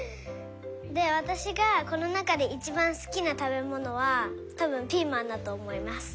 でわたしがこのなかでいちばんすきなたべものはたぶんピーマンだとおもいます。